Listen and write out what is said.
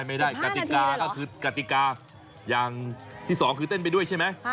ไม่ได้กติกาก็คือกติกาอย่างที่สองคือเต้นไปด้วยใช่ไหม